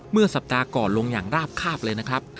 เมื่อสัปดาห์ก่อนลงอย่างราบคาบเลยนะครับ